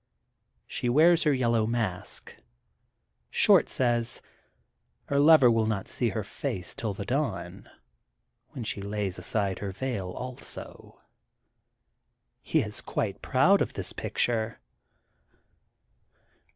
She wears her yellow mask. Short says: — "Her lover will not see her face till the dawn, when she lays aside her veil also. '' He is quite proud of his picture.